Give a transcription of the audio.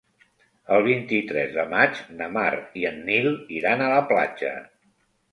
El vint-i-tres de maig na Mar i en Nil iran a la platja.